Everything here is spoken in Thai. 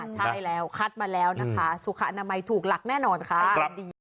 ใช่แล้วคัดมาแล้วนะคะสุขอนามัยถูกหลักแน่นอนค่ะ